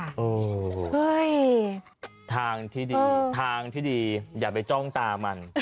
โอ้โหทางที่ดีทางที่ดีอย่าไปจ้องตามัน